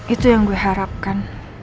itu yang gue harapkan